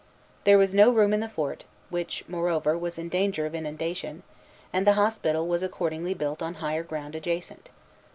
There was no room in the fort, which, moreover, was in danger of inundation; and the hospital was accordingly built on higher ground adjacent.